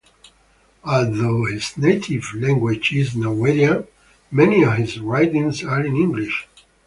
Although his native language is Norwegian, many of his writings are in English.